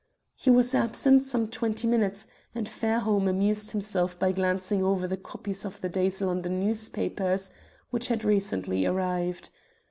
He was absent some twenty minutes, and Fairholme amused himself by glancing over the copies of the day's London newspapers which had recently arrived.